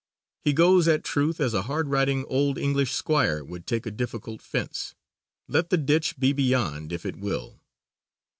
He goes at truth as a hard riding old English squire would take a difficult fence. Let the ditch be beyond if it will.